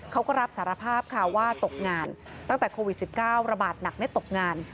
เขาก็รับสารภาพค่ะว่าตกงานตั้งแต่โควิด๑๙ระบาดหนักได้ตกงาน